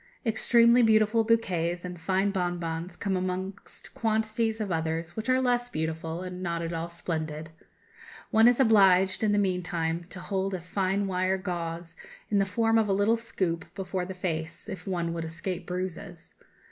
Extremely beautiful bouquets and fine bonbons come amongst quantities of others which are less beautiful and not at all splendid. One is obliged, in the meantime, to hold a fine wire gauze, in the form of a little scoop, before the face, if one would escape bruises.